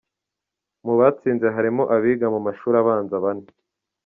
Mu batsinze harimo abiga mu mashuri abanza bane.